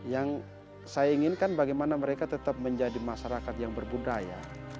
yang saya inginkan bagaimana mereka tetap menjadi masyarakat yang berbudaya